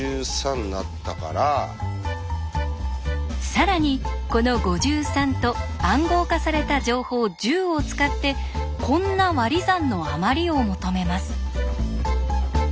更にこの５３と暗号化された情報１０を使ってこんな割り算のあまりを求めます。